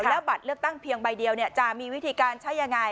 แล้วบัตรเลือกตั้งเพียงใบเดียวจะมีวิธีการใช้ยังไง